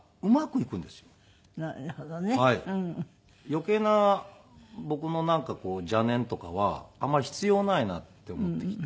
余計な僕の邪念とかはあんまり必要ないなって思ってきて。